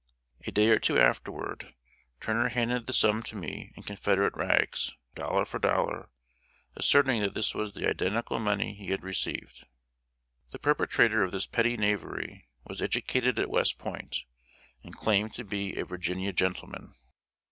A day or two afterward, Turner handed the sum to me in Confederate rags, dollar for dollar, asserting that this was the identical money he had received. The perpetrator of this petty knavery was educated at West Point, and claimed to be a Virginia gentleman.